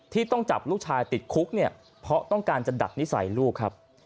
ที่ต้องจับลูกชายติดคุกเนี่ยเพราะต้องการจะดักนิสัยลูกครับ